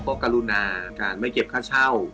ก็กรุณาการไม่เก็บค่าเช่า